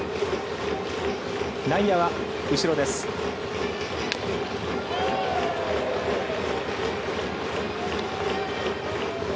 内野は後ろです。